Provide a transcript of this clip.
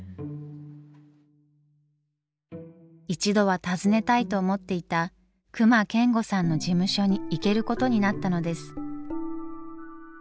一度は訪ねたいと思っていた隈研吾さんの事務所に行けることになったのです。